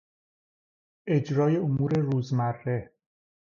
اجرای امور روزمره